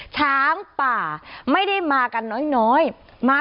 ช้างป่าไม่ได้มากันน้อยมาเป็นโคหลสามสิบตัวบุกเข้ามาค่ะ